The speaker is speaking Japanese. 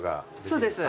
そうです。